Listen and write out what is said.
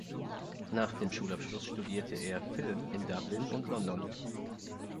Nach dem Schulabschluss studierte er Film in Dublin und London.